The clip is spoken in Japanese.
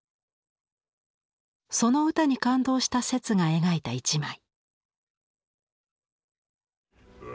その歌に感動した摂が描いた一枚。